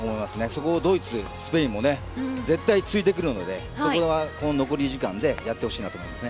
そこをドイツ、スペインも絶対に突いてくるのでこの残り時間でやってほしいと思います。